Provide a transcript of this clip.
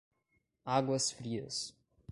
Águas Frias